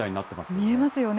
見えますよね。